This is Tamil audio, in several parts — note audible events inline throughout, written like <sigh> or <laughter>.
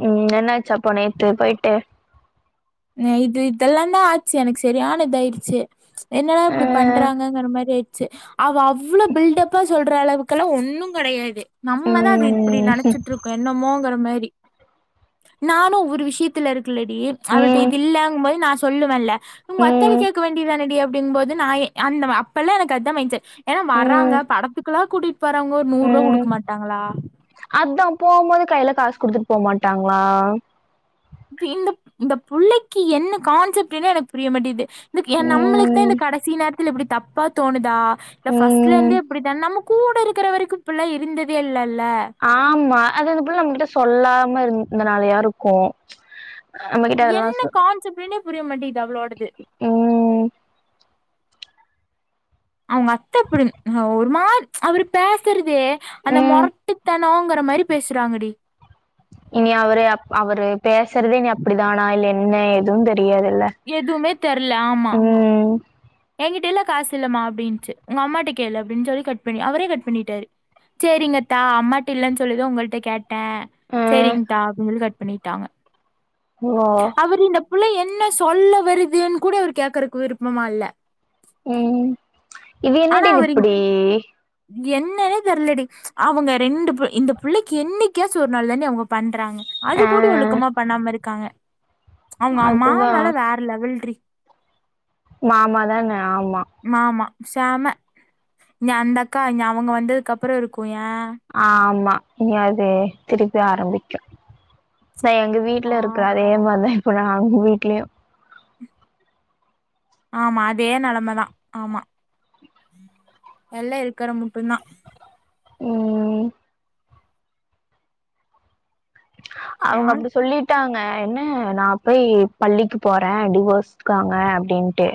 ம் என்னாச்சப்போ நேத்து போய்ட்டு நேத்து இதெல்லா தா ஆச்சு எனக்கு சரியான இதாயிடுச்சு என்னடா ஆ இப்டி பண்றாங்கங்கற மாரி ஆய் டுச்சி அவ அவ்வளோ பில்டப்பா சொல்ற அளவுக்குல்லா ஒன்னு கெடையாது நம்மதா அது இப்டி ம் நெனச்சிட்ருக்கோ என்னமோங்கிற மாரி நானு ஒவ்வொரு விஷ்யத் துல இருக்குல்லடி அவள்ட்டா ம் இது இல்லங்கு போது நா சொல்லுவேல்ல உங்க அத்தான ம் கேக்க வேண்டியதானடி அப் டிங்னுபோது நா அந்த அப்பல்லா எனக்கு அதா மைன்ட் செட் ஏனா வர்றாங்க ம் படத்துக்கெல்லா கூட்டிட் போறவங்க ஒரு நூர்வா ம் குடுக்க மாட்டாங்களா அதா போபோது கையில காசு குடுத்துட்டு போமாட்டாங்களா இந்த இந்த பிள்ளைக்கு என்ன கான்செப்ட்னே எனக்கு புரிய மாட்டேது இதுக் எ நம்மளுக்குதா ம் இந்த கடைசி நேரத்துல இப்டி தப்பா தோணுதா இல்ல ஃபர்ஸ்ட்ல ம் இருந்தே இப்டிதா நமக் கூட இருக்கிற வரைக்கு இப்பில்லா இருந்ததே இல்லல்ல ஆமா அது அந்த புள்ள நம்மகிட்ட சொல்லாம இருந்தனாலயா இருக்கு நம்மகிட்ட அதெல்லா என்ன சொ கான்செப்ட்னே புரிய மாட்டேது அவ்ளோடது ம் அவுங்க அத்த அப்டி ஒரு மாரு அவுரு பேசுறதே அந்த ம் மொரட்டுத்தன் னோங்கற மாரி பேசுறாங்கடி இனி அவ்ரு அப் அவ்ரு பேசுறது இனி அப்டி தானா இல்ல என்ன எதுவு தெரியாதுல்ல எதுவுமே தெர்ல ஆமா ம் என்கிட்ட எல்லா காசு இல்லமா அப்டின்ச்சு உங்க அம்மாட்ட கேளு அப்டின் சொல்லி கட் பண்ணி அவ்ரே கட் பண்ணிட்டாரு சேரிங்கத்தா அம்மாட்ட இல்லன்னு சொல்லிதா உங்கள்ட்ட கே டே ஆ சரிங்க்தா அப்டின் சொல்லி கட் பண்ணிட்டாங்க ஓ அவ்ரு இந்த பிள்ள என்ன சொல்ல வருதுன் கூட அவ்ரு கேக்குறக்கு விருப்பமா இல்ல ம் இது ஆனா என்னடி இது அவரு இப்டி என்னன்னே தெர்லடி அவங்க ரெண்டு இந்த பிள்ளைக்கு என்னைக்காசு ஒரு நாள் தான்டி அவங்க பண்றாங்க அது ஆ கூட ஒழுக்கமா பண்ணாம இருக்காங்க அவங்க மா அதுதா மேல வேற லெவல் ட்ரீ மாமா தான ஆமா மாமா செம ஏ அந்த அக்கா அவங்க வந்ததுக்கு அப்பறோ இருக்கு ஏ ஆமா இன்னு அது திருப்பி ஆரம்பிக்கு அதா எங்க பா வீட்ல இருக்கிற அதே மாரிதா இப்ப ல்லா அவுங்க வீட்லயு ஆமா அதே நிலமதா ஆமா எல்லா இருக்கிற மட்டு தா ம் அவுங்க சேரி அப்டி சொல்லிட் ட்டாங்க என்ன நா போய் பள்ளிக்கு போற டிவோஸ்க்காக அப்டின்ட்டு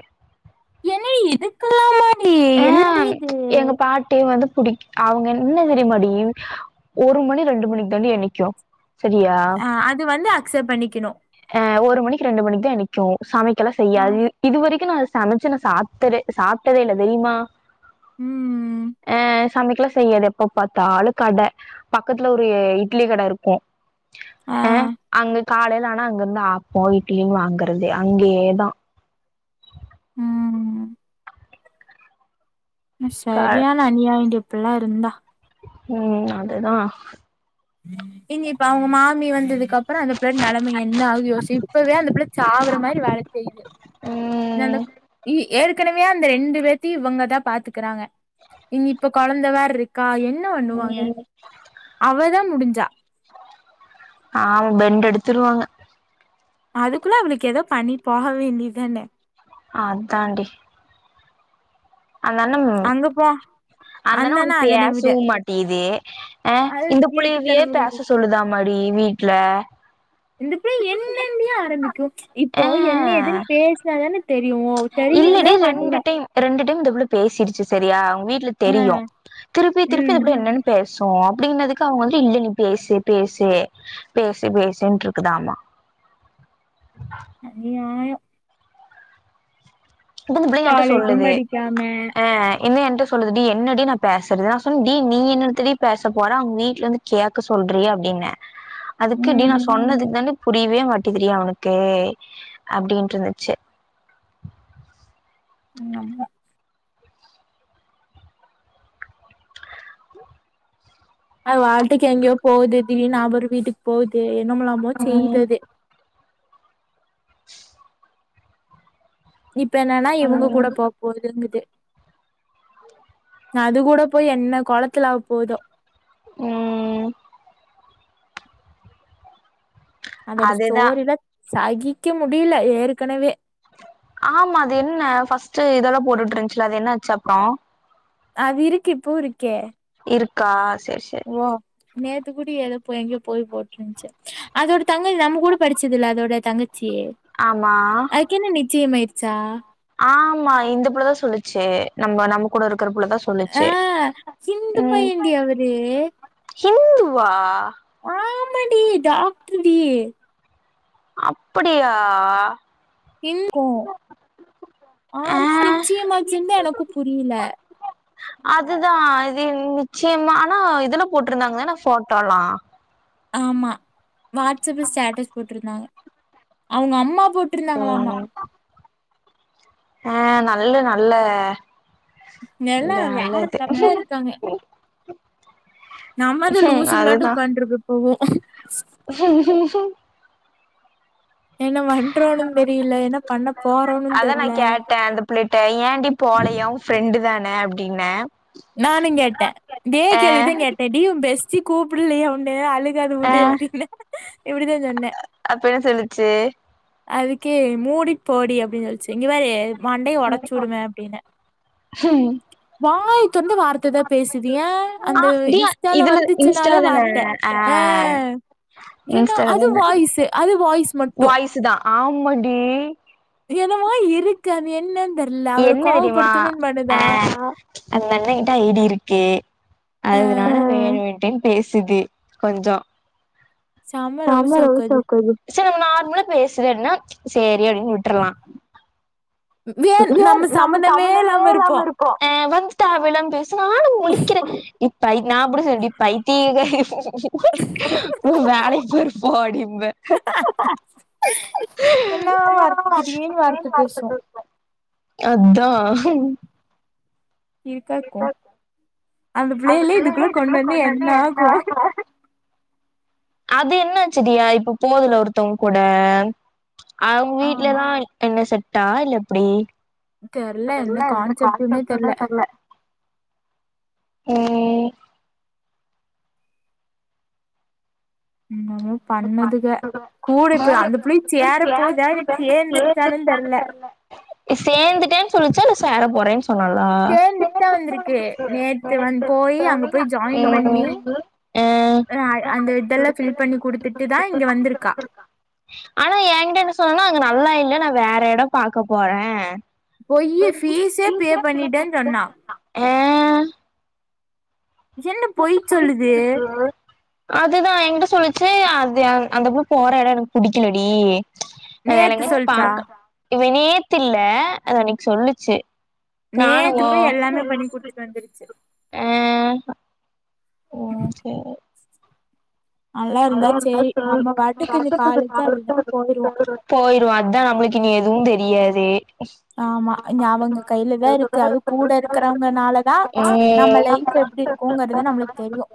என்ன இதுக்கலாமா ஆ எங்க பாட் ட்டி வந்து பிடி அவங்க என்ன தெரியுமாடி ஒரு மணி ரெண்டு மணிக்கு தாண்டி என்னைக்கு ஆ அது வந்து அக்சப்ட் பண்ணிக்கணு அ ஒரு மணிக்கு ரெண்டு மணிக்கு தா நிக்கு சமைக்கலா அ செய்யாது இதுவரைக்கு நா சமைச்சு நா சாப்டதே சாப்ட்டதே இல்ல தெரியுமா ம் ஆ சமைக்கலா செய்யாது எப்ப பாத்தாலு கட பக்கத்துல ஒரு இட்லி கட இருக்கு அ அங்க காலையில ஆனா அங்கிருந்து ஆப்ப இட்லியு வாங்கறது அங்கயேதா ம் க சரியானா அந்நியாயன்டி இப்டில்லா இருந்தா ம் அதுதா ம்ம் இங்கி இப்ப அவங்க மாமி வந்து வித் அதுக்கப்பறோ அந்த பிள்ள நிலம என்ன ஆகு யோசி இப்பவே அந்த பிள்ள சாகுற மாரி வேல செய்யுது அந்த ம் ஏற்கனவே அந்த ரெண்டு பே இவங்கதா பாத்துக்கிறாங்க இங்க இப்ப குழந்த வேற இரு க்கா என்ன பண்ணுவாங்க ம் அவதா முடிஞ்சா ஆ பாவ பெண்ட் எடுத்துடுவாங்க அதுக்குள்ள அவளுக்கு ஏதோ பண்ணி போக வேண்டியதான அதாண்டி அந்தாண்ணம் அங்கப்ப அந்தனா ஒண்ணு பேசவு மாட்டிகுது அ அது இந்த புள்ளயேவே இருக்குத்தனம பேச காட்டுது சொல்லுதா மடி வீட்ல இந்த பிள்ள என்னந்டி ஆரம்பிக்கு ச் ஆ இப்போ என்ன ஏதுன்னு பேசுனாதான தெரியு இல்லடி தரிவீங்களா ரெண்டு மாட்டீங்களா டைம் ரெண்டு டைம் இந்த பிள்ள பேசிடுச்சு செரியா அவங்க வீட்ல தெரியு ஆ திருப்பி திருப்பி இந்த ம் பிள்ள என்னென்னு பேசு அப்டினதுக்கு அவங்க வந்து இல்ல நீ பேசு பேசு பேசு பேசுன்டு இருக்குதாமா அநியாயோ புகுந்த பிள்ள எயகிட்ட காலேஜும் சொல்லுது படிக்காம ஆ என்ன எயகிட்ட சொல்லுது டி என்னடி நா பேசுறது நா சொன்ன டி நீ என்தடி பேச போற அவங்க வீட்ல இருந்து கேட்க சொல்றி அப்டின்ன அதுக்கு டி நா ம் சொன்னதுக்கு தா டி புரியவே மாட்டிதுடி அவனுக்கு அப்டிண்ட்டு இருந்ச்சு எங்க அம்மா அது வாட்டுக்கு எங்கயோ போவ்து திடீர்னு அவரு வீட்டுக்கு போவ்து என்னமலாமோ செய்து ம் அது இப்ப என்னன்னா இவங்க கூட ம் போ போகுதுங்குது அது கூட போய் என்ன கோலத்துல ஆவ் போவ்தோ ம் அதோட அதுதா ஸ்டோரில்லா சகிக்க முடியல ஏற்கனவே ஆமா அது என்ன ஃபர்ஸ்ட்டு இதெல்லா போட்டுட்டு இருந்ச்சுல அது என்ன ஆச்சு அப்றோ அது இருக்கு இப்போவு இருக்கே இருக்கா செர் செர் ஓ நேத்துக்குடி ஏதோ போய் எங்கயோ போய் போட்டிருந்ச்சு அதோட தங்கை நம்ம கூட படிச்சதுல அதோட தங்கச்சி ஆமா அதுக்கு என்ன நிச்சயமயிச்சா ஆமா இந்த புள்ளதா சொல்லுச்சு நம்ப நம்ம கூட இருக்கற புள்ளதா ஆ சொல்லுச்சு சிந்து பையன்டி அவரு இந்து வா ஆமான்டி டாக்ட்ருடி அப்படியா இல் கோ ஆ ஆம் நிச்சயமாச்சுன் தா எனக்கு புரியில அதுதா இது நிச்சயமான இதுல போட்ருந்தாங்க தான ஃபோட்டோல்லா ஆமா வாட்ஸ்அப்ல ஸ்டேட்டஸ் போட்ருந்தாங்க அவங்க அம்மா போட்ருந்தாங்களாமா ம் ஆ நல்ல நல்ல நெல்லா நல்ல நல்ல வேற இது லவ் மேரேஜ் தாங்க நம்மதா ம் லூசுகளாட்டோ அதுதா உக்காந்ட்ருக்கு இப்போவோ <inaudible> என்ன வன்றோன்னு தெரியில என்ன பண்ண போறோன்னு தெர்ல ப்ள்ளட்ட ஏண்டி போல உன் ஃப்ரெண்டு தானே அப்டின்ன நானுங்கேட்ட இதே கேள்விதா கேட்ட டீ உன் பெஸ்டி கூப்பிட்லியா உன்ன அ அழுகாத ஆ விடு அப்டின்ன இப்டிதா சொன்ன அப்ப என்ன சொல்லிச்சு அதுக்கு மூடிட் போடி அப்டின்னு சொல்லிச்சு இங்க பாரு மண்டைய ஒடச்சு விடுவ அப்டின்ன ம் வாய் வந்து வார்த்த தா பேசுது ஏன் ஆ அந்த டி இன்ஸ்டால இதுல இன்ஸ்டால வந்துச்சுனாலே தான வார்த்த ஆ ஏன்னா அது வாய்ஸு அது வாய்ஸ் மட் வாய்ஸு தா ஆம்மடி என்னவோ இருக்கு அது என்னன் தெர்ல அவள என்ன தெரியுமா கோவப்படுத்தனுன் ஆ பண்ணுதா அந்த அண்ணன் கிட்ட ஐ டி இருக்கு ஆ அதுனால வேணுன்ட்டே பேசுது கொஞ்சோ செம ரவுசாக்கு அது. சேரி நார்மலா பேசுறன்ன சேரி அப்டின் விட்ரலா ஏன் நம்ம சம்மந்தமே இல்லாம இருக்கோ இப்ப இ நா அப்டி சொல்லி பைத்தியக் உன் வேல குரூப் போடிம்பே என்ன அய்யோ வார்த்த திடீர்னு அது வார்த்த பேசும். ஏமார்த்தது அதா இருக்காகூ அந்த பிள்ளையில்ல இதுக்குள்ள கொண்டு வந்து என்னாகும் அது என்னாச்சு தியா இப்ப போதுல்ல ஒருத்ங்க கூட அவங்க ஆம். வீட்லதான் இன்ன செட்டா இல்ல எப்பிடி தெர்ல எந்த கான்செப்ட்டு னே தெர்ல ம் என்னமோ பண்ணுதுக கூட இப்ப அந்த பிள்ள சேரப் போதா இல்ல சேர்ந்தருச்சான்னு தெர்ல சேர்ந்துட்டேன் சொல்லிச்சா இல்ல சேரப் போறேன் சொன்னாளா சேந்துட்தா வந்துருக்கு நேத்து வந் போயி அங்க போய் ஜாயின் பண்ணி அ அ அந்த இதெல்லா ஃபில் பண்ணி குடுத்துட்டு தா இங்க வந்துருக்கா ஆனா யங்கிட்ட என்ன சொன்னான்னா அங்க நல்லா இல்ல நா வேற எடம் பாக்கப் போறேன் பொய்யி ஃபீசே பே பண்ணிட்டேன் சொன்னா அ என்ன பொய் சொல்லுது அதுதான் என்கிட்ட சொல்லிச்சு அது அந்தப் புள்ள போற எடம் எனக்கு புடிக்கலடி வேற நேத்து எங்காச்சு சொல்ச்சா பாக்க இவ நேத்து இல்ல அது அன்னைக்கு சொல்லுச்சு நானு நேத்துப் ஓ போயி எல்லாமே பண்ணி குடுத்துட்டு வந்துருச்சு அ ஓ சேரி நல்லா இருந்தா நல்லாருந்தா நம்ம சேரி பாட்டுக்கு இந்த காலேஜா அதுதானு போயிருவோ <unintelligible> போயிருல அதான் நம்ளுக்கு இன்ம எதுவும் தெரியாது ஆமா இந்த அவங்க கையில தான் இருக்கு அதுவு கூட இருக்கறவங்கனால தா நம்ம ம் லைஃப் எப்டி இருக்கும்ங்கறது நம்மளுக் தெரியும்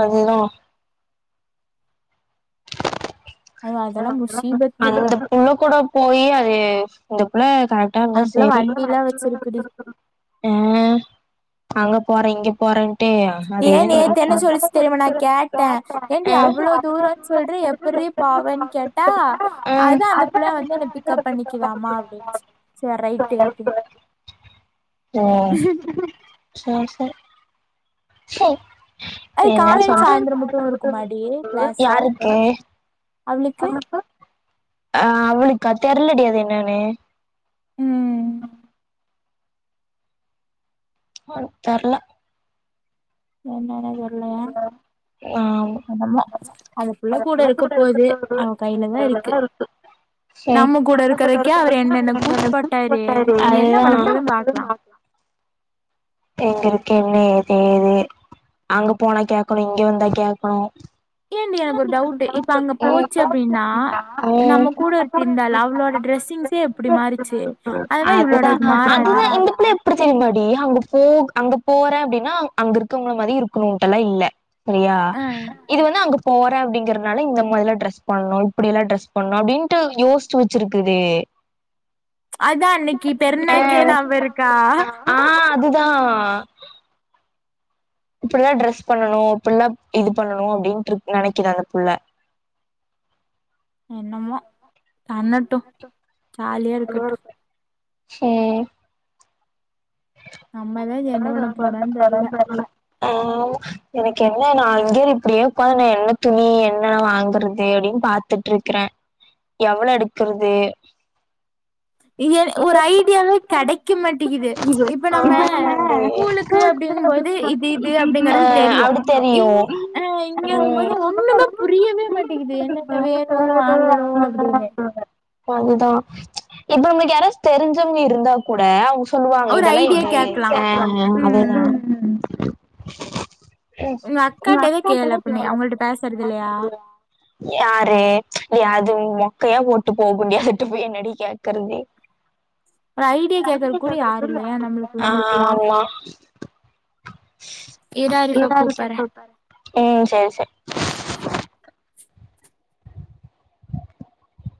அதே தான் அது அதெல்லா முசீபத்து அந்தப் புள்ள கூட போயி அது இந்தப் புள்ள கரெக் அந்தப் புள்ள வண்டில்லா வச்சிருக்குடி அ அங்கப் போறேன் இங்கப் போறேன் ஏ நேத்து என்ன சொல்லிச்சுத் தெரியுமா நான் கேட்டேன் ஏன்டி அவ்ளோ தூரோம் சொல்றியே எப்பட்ரீ பவேன் கேட்டா ஆ ஆ அந்த அந்தப் புள்ள வந்து என்ன பிக்கப் பண்ணிக்குதாமா அப்பின்னுச்சு சேர் ரைட்டு அப்பின்ன ஓ சேரி சேரி சேரி அய் காலையும் சாய்ந்ரம் மட்டும் இருக்கும்மாடி க்ளாசு யாருக்கு அவ்ளுக்கு ஆ அவ்ளுக்கா தெர்லடி அது என்னனு ம் ஆவ் தெர்ல என்னனே தெர்ல <unintelligible> என்னமோ அந்த புள்ள கூட இருக்க போது அவ கைல தா இருக்கு சேரி நம்ம கூட இருக்கறக்கே அவரு என்னென்ன கூத்துப்போட்டாரு இனி என்ன பன்னபோதுனு பாக்லா எங்க இருக்கீங்க எது எது அங்க போனா கேக்கணும் இங்க வந்தா கேக்ணோம் ஏன்டீ எனக்கு ஒரு டவுட்டு இப்ப அங்க ம் போச்சு அப்டின்னா ம் நம்ம கூட ஒருத்தி இருந்தாள அவ்ளோட ட்ரஸ்ஸிங்ஸே எப்டி மாறிச்சு அதுதான் அதுதா இந்த புள்ள அப்டி தெரியுமாடி அங்க போ அங்க போற அப்டின்னா அங்க இருக்கவங்கள மாரி இருக்கணோன்டெல்லா இல்ல சரியா ஆ, இது வந்து அங்க போறேன் அப்டிங்றனால இந்த மாரிலா ட்ரெஸ் பண்ணு இப்டியெல்ல டிரெஸ் பண்ணு அப்டின்னுட்டு யோஸ்ச்சி வெச்சிருக்குது அதா அன்னைக்கி பெருனாக்கே நாபருக்கா ஆ அதுதா இப்டி தா ட்ரெஸ் பண்ணணு இப்டிலா இது பண்ணணு அப்டின்ட்டுருக் நெனைக்குது அந்த புள்ள என்னமோ பண்ணட்டு ஜாலியா இருக்கட்டு ம் நம்ம தான் என்ன பண்ண போறோம்னு தெரியல <unintelligible> ஆம் எனக்கு என்ன நா அங்கேரு இப்டியே உக்காந்த நா என்ன துணி என்ன வாங்குறது அப்டின்னு பாத் துட்ருக்குறே எவ்ளோ எடுக்குறது இங் ஏ ஒரு ஐடியாவே கெடைக்க மாட்டீங்கிது இப்ப நம்ம ஆ கூலுக்கு அப்டிங்கும்போது இது இது அப்டிங்றது தெரியு அப்ப தெரியு ஆ இங்கெங்கும் போது ஒண்ணுமே புரியவே மாட்டீங்குது என்னென்ன வேணு வாங்கணு அப்டின்னு அதுதா இப்ப நம்ளுக்கு யாராச்சு தெரிஞ்சவங்க இருந்தா கூட அவுங்க சொல்லுவாங்க ஒரு இதெல்லா ஐடியா எடு கேக்கலா ஆ ஆ அதுதா ம் ஊ உங்க அக்காட்டதா கேளு அக்காதான அப்டினு சொல்லுவா அவங்கள்ட்ட அவ பேசுறது தான இல்லையா சொல்லுவா யாரு ஏ அது மொக்கையா போட்டு போகுன் டீ அதுட்டு போய் என்னடி கேக்கறது ஒரு ஐடியா கேக்கறக்கு கூட யாரு இல்லையா ஆ நம்மளுக்குல்லா ஆமா இரு ஆரிஃபா கூப்பறே ம் சேரி சேரி